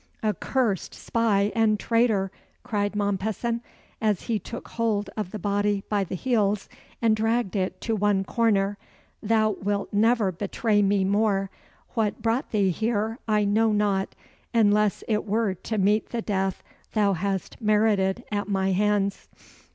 "Accursed spy and traitor," cried Mompesson, as he took hold of the body by the heels and dragged it to one corner "thou wilt never betray me more. What brought thee here I know not, unless it were to meet the death thou hast merited at my hands.